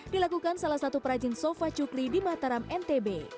dilakukan salah satu perajin sofa cukli di mataram ntb